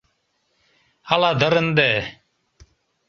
Ала дыр ынде.